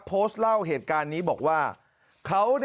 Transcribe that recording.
โพสต์เล่าเหตุการณ์นี้บอกว่าเขา